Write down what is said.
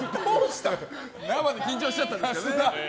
生で緊張しちゃったんですかね。